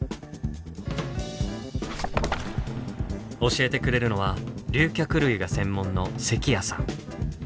教えてくれるのは竜脚類が専門の関谷さん。